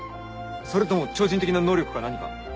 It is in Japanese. それとも超人的な能力か何か？